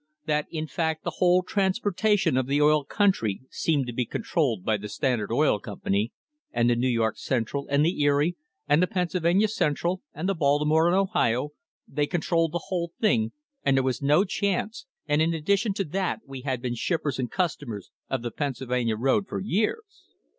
That in fact the whole transportation of the oil country seemed to be controlled by the Standard Oil Company, and the New York Central, and the Erie, and the Pennsylvania Central, and the Baltimore and Ohio, they controlled the whole thing, and there was no chance, and in addition to that we had been shippers and customers of the Pennsylvania road for years."